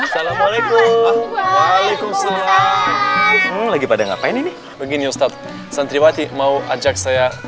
assalamualaikum waalaikumsalam lagi pada ngapain ini begini ustadz santriwati mau ajak saya